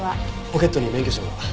ポケットに免許証が。